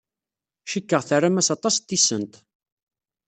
Cikkeɣ terram-as aṭas n tisent.